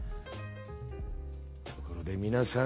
ところでみなさん。